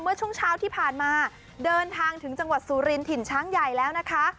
เมื่อช่วงเช้าที่ผ่านมาเดินทางถึงจังหวัดสุรินถิ่นช้างใหญ่แล้วนะคะ